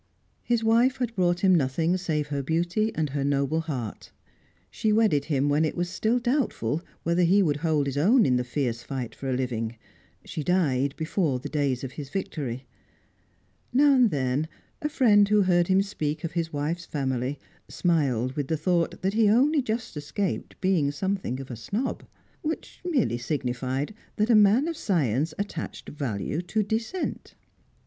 His wife had brought him nothing save her beauty and her noble heart. She wedded him when it was still doubtful whether he would hold his own in the fierce fight for a living; she died before the days of his victory. Now and then, a friend who heard him speak of his wife's family smiled with the thought that he only just escaped being something of a snob. Which merely signified that a man of science attached value to descent. Dr.